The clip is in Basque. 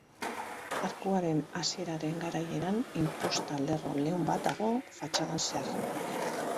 Arkuaren hasieraren garaieran inposta-lerro leun bat dago fatxadan zehar.